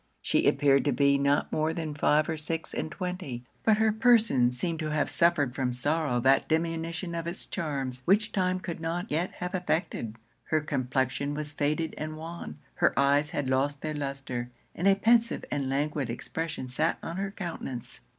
She appeared to be not more than five or six and twenty: but her person seemed to have suffered from sorrow that diminution of its charms, which time could not yet have effected. Her complexion was faded and wan; her eyes had lost their lustre; and a pensive and languid expression sat on her countenance.